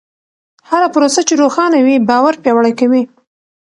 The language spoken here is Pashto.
هره پروسه چې روښانه وي، باور پیاوړی کوي.